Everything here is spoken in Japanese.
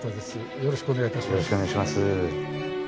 よろしくお願いします。